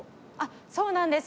そうなんです。